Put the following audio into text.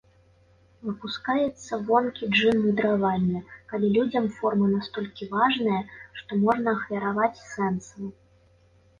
Выпускаецца вонкі джын мудравання, калі людзям форма настолькі важная, што можна ахвяраваць сэнсам.